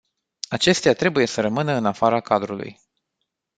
Acestea trebuie să rămână în afara cadrului.